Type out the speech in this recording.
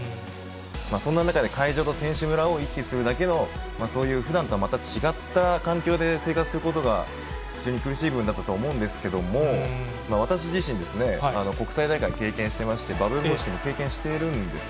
そんな中で会場と選手村を行き来するだけの、そういうふだんとはまた違った環境で生活することが、非常に苦しい部分だったと思うんですけど、私自身、国際大会経験してまして、バブル方式も経験しているんです。